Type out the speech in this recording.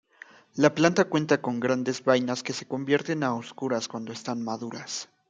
La planta cuenta con grandes vainas que se convierten a oscuras cuando están maduras.